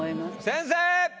先生！